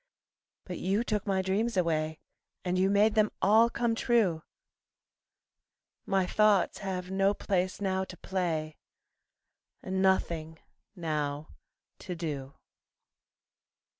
But you took my dreams away And you made them all come true My thoughts have no place now to play, And nothing now to do.